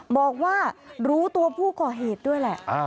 บอกว่ารู้ตัวผู้ก่อเหตุด้วยแหละ